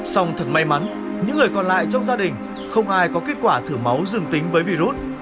song thật may mắn những người còn lại trong gia đình không ai có kết quả thử máu rừng tính với virus